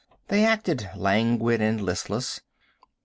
They acted languid and listless.